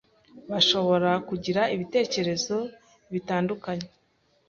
bashobora kugira ibitekerezo bitandukanye